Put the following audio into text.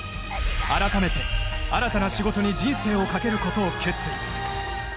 改めて新たな仕事に人生をかけることを決意